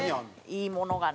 いいものがね。